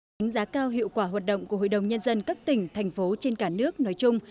đánh giá cao hiệu quả hoạt động của hội đồng nhân dân các tỉnh thành phố trên cả nước nói chung